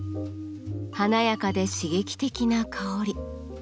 華やかで刺激的な香り。